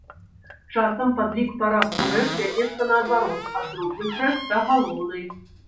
Часам падлік парадку рэк вядзецца, наадварот, ад дробных рэк да галоўнай.